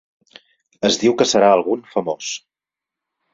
Es diu que serà algun famós.